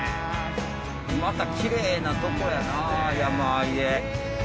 またきれいなとこやな山あいで。